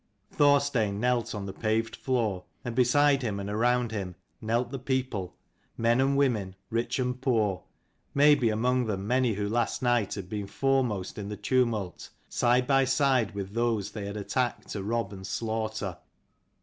Thorstein knelt on the paved floor, and beside him and around him knelt the people, men and women, rich and poor: maybe among them many who last night had been foremost in the tumult, side by side with those they had attacked to rob and slaughter.